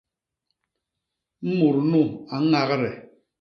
Mut nu a ñagde.